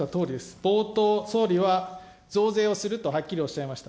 冒頭、総理は増税をするとはっきりおっしゃいました。